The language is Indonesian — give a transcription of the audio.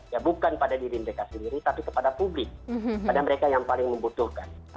ya bukan pada diri mereka sendiri tapi kepada publik pada mereka yang paling membutuhkan